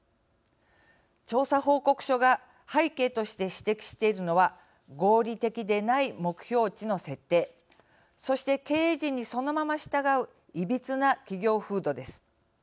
調査報告書が背景として指摘しているのは合理的でない目標値の設定そして、経営陣にそのまま従ういびつな企業風土です。